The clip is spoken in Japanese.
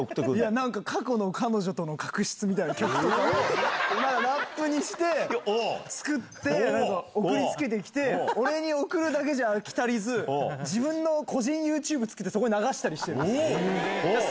なんか過去の彼女との確執みたいな曲とかを、ラップにして、作って、送りつけてきて、俺に送るだけじゃあきたりず、自分の個人ＹｏｕＴｕｂｅ作ってそこで流したりしてるんです。